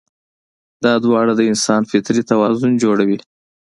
دا دواړه د انسان فطري توازن جوړوي.